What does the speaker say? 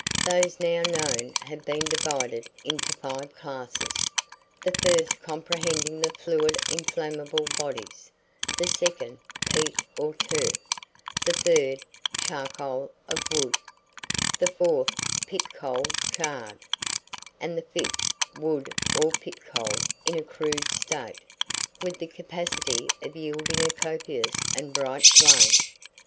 Those now known have been divided into five classes; the first comprehending the fluid inflammable bodies; the second, peat or turf; the third, charcoal of wood; the fourth, pit coal charred; and the fifth, wood or pit coal in a crude state, with the capacity of yielding a copious and bright flame.